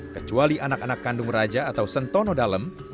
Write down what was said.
kecuali anak anak kandung raja atau sentono dalam